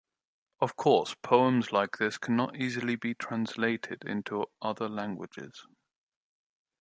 Of course, poems like this cannot easily be translated into other languages.